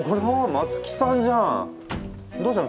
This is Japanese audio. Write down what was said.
松木さんじゃんどうしたの？